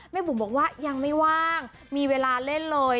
บุ๋มบอกว่ายังไม่ว่างมีเวลาเล่นเลย